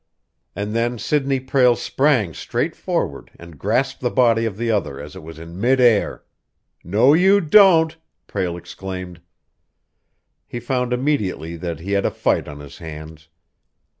And then Sidney Prale sprang straight forward, and grasped the body of the other as it was in mid air. "No, you don't!" Prale exclaimed. He found immediately that he had a fight on his hands.